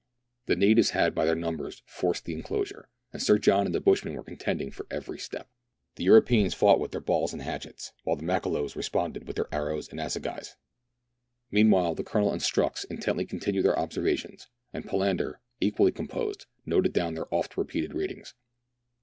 The natives had by their numbers forced the enclosure, and Sir John and the bushman were contending for every step. The Europeans fought with their balls and hatchets, while the Makololos responded with their arrows and assagais. Meanwhile the Colonel and Strux intently continued their observations, and Palander, equally composed, noted down their oft repeated readings.